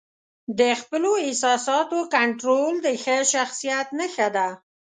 د خپلو احساساتو کنټرول د ښه شخصیت نښه ده.